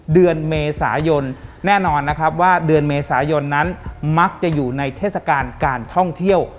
เดือนเมษายนแน่นอนนะครับว่าเดือนเมษายนนั้นมักจะอยู่ในเทศกาลการท่องเที่ยว